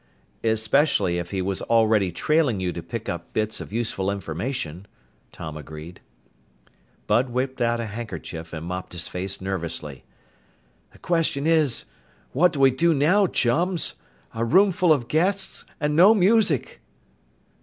"Especially if he was already trailing you to pick up bits of useful information," Tom agreed. Bud whipped out a handkerchief and mopped his face nervously. "The question is what do we do now, chums? A roomful of guests and no music!"